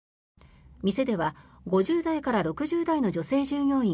店では５０代から６０代の女性従業員